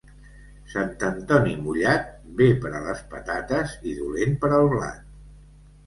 Sant Antoni mullat, bé per a les patates i dolent per al blat.